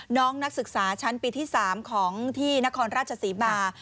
น้องนักศึกษาชั้นปีที่๓ของที่นครราชศรีมา